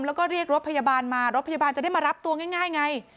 แล้วก็เรียกรถพยาบาลมารถพยาบาลจะได้มารับตัวง่ายไง